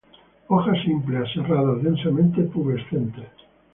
Hojas simples, aserradas, densamente pubescentes.